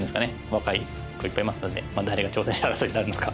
若い子いっぱいいますので誰が挑戦者争いになるのか。